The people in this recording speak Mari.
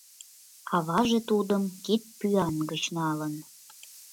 Аваже тудым кидпӱан гыч налын.